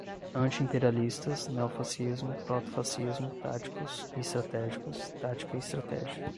Anti-imperialistas, neofascismo, protofascismo, táticos e estratégicos, tática e estratégia